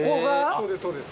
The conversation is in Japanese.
そうですそうです。